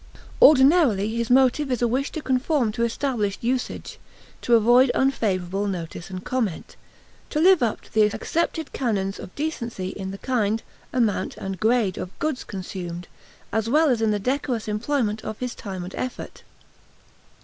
Ordinarily his motive is a wish to conform to established usage, to avoid unfavorable notice and comment, to live up to the accepted canons of decency in the kind, amount, and grade of goods consumed, as well as in the decorous employment of his time and effort.